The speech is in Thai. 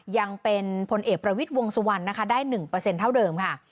ยังเป็นผลเอกประวิทธิ์วงศวรรณนะคะได้๑เปอร์เซ็นต์เท่าเดิมค่ะ